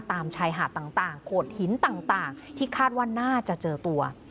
ตามชายหาดต่างโขดหินต่างที่คาดว่าน่าจะเจอตัว